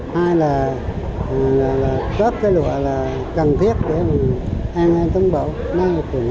hai là cất cái lụa là cần thiết để an an tấn bộ